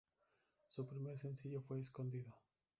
Su primer sencillo fue "Escondido".